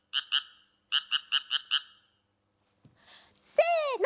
せの。